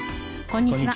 こんにちは。